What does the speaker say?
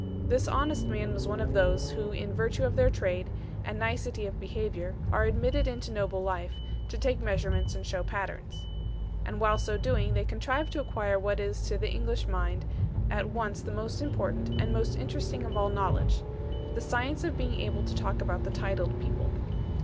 This honest man was one of those who in virtue of their trade, and nicety of behaviour, are admitted into noble life, to take measurements, and show patterns. And while so doing, they contrive to acquire what is to the English mind at once the most important and most interesting of all knowledge, the science of being able to talk about the titled people.